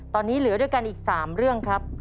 ตอนนี้เหลือด้วยกันอีก๓เรื่องครับ